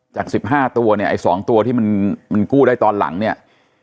จาก๑๕ตัวเนี่ยไอ้๒ตัวที่มันกู้ได้ตอนหลังเนี่ย